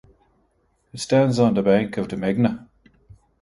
It stands on the bank of the Meghna.